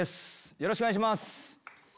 よろしくお願いします。